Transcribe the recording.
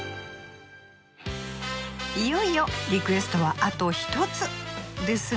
いよいよリクエストはあと一つ！ですが。